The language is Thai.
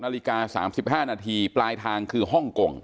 นาฬิกา๓๕นาทีปลายทางคือฮ่องกง